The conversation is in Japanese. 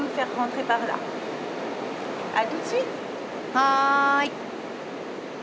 はい。